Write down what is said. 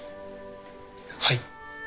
はい。